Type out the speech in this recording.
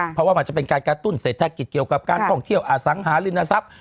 เพราะว่ามันจะเป็นการกระตุ้นเศรษฐกิจเกี่ยวกับการท่องเที่ยวอสังหาริมทรัพย์